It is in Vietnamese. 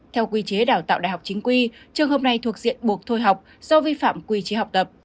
theo quy chế đào tạo đại học chính quy trường hợp này thuộc diện buộc thôi học do vi phạm quy chế học tập